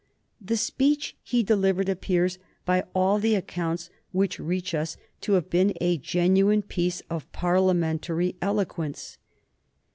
The speech he delivered appears, by all the accounts which reach us, to have been a genuine piece of Parliamentary eloquence.